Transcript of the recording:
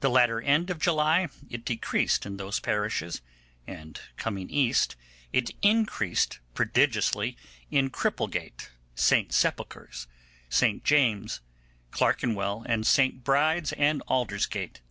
The latter end of July it decreased in those parishes; and coming east, it increased prodigiously in Cripplegate, St Sepulcher's, St James's, Clarkenwell, and St Bride's and Aldersgate.